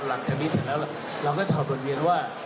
หลังจากนี้เสร็จแล้วเราก็ถอดบทเรียนว่า